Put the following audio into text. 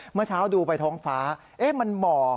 เมื่อเช้าดูไปท้องฟ้ามันหมอก